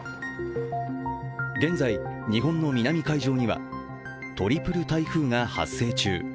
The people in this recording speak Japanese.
現在、日本の南海上にはトリプル台風が発生中。